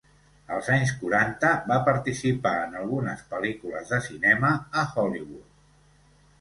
Als anys quaranta va participar en algunes pel·lícules de cinema a Hollywood.